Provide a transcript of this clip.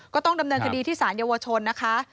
ก็ต้องดำเนินคดีที่สารเยาวชนนะคะ